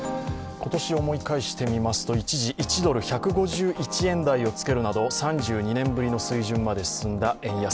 今年思い返してみますと一時１ドル＝１５１円台をつけるなど３２年ぶりの水準まで進んだ円安。